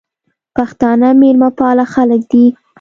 پښتانه میلمه پاله خلک دي